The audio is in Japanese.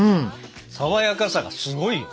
さわやかさがすごいよ。